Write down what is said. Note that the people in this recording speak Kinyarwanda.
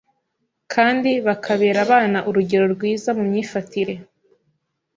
kandi bakabera abana urugero rwiza mu myifatire.